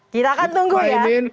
kita akan tunggu ya